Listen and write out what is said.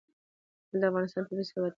لعل د افغانستان طبعي ثروت دی.